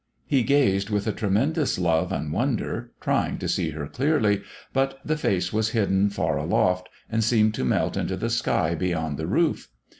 He gazed with a tremendous love and wonder, trying to see her clearly; but the face was hidden far aloft and seemed to melt into the sky beyond the roof.